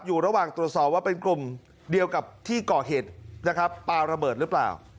อยู่ระหว่างตรวจสอบว่าเป็นกลุ่มเดียวกับที่ก่อเหตุนะครับปลาระเบิดหรือเปล่า